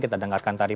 kita dengarkan tadi